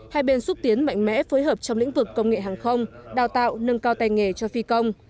hai bên xúc tiến mạnh mẽ phối hợp trong lĩnh vực công nghệ hàng không đào tạo nâng cao tay nghề cho phi công